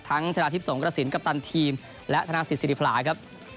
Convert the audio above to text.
ทั้งชนะทิพย์ส่งกล้าศิลป์กัปตันทีมและทนาสิกษีริพละครับ